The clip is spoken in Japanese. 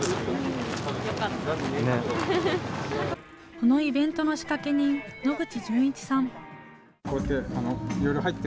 このイベントの仕掛人、野口純一さん。